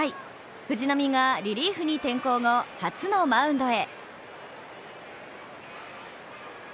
藤浪がリリーフに転向後初のマウンドへ。